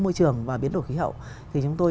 môi trường và biến đổi khí hậu thì chúng tôi